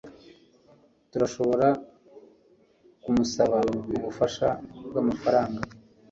Turashobora kumusaba ubufasha bwamafaranga.